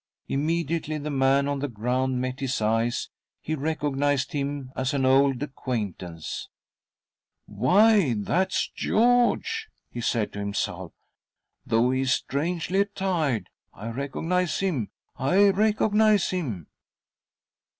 Immediately the man on the ground met his eyes he recognised him as an old acquaintance. " Why, that's George," he said to himself " Though he is strangely attired, I recognise him — I recognise him